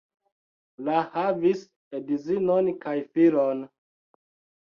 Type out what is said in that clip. La havis edzinon kaj filon.